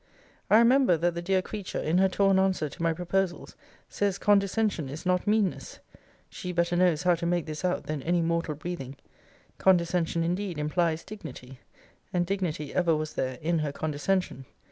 I remember, that the dear creature, in her torn answer to my proposals, says, condescension is not meanness. She better knows how to make this out, than any mortal breathing. Condescension indeed implies dignity: and dignity ever was there in her condescension.